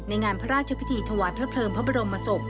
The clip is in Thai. งานพระราชพิธีถวายพระเพลิงพระบรมศพ